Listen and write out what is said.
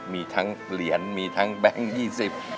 มีทั้งเหรียญมีทั้งแบงค์ยี่สิบ